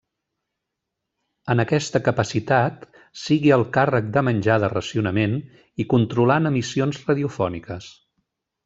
En aquesta capacitat sigui al càrrec de menjar de racionament i controlant emissions radiofòniques.